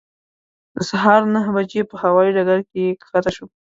د سهار نهه بجې په هوایي ډګر کې کښته شوم.